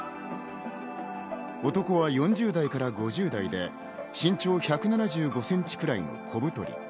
男は４０代から５０代で身長１７５ｃｍくらい、小太り。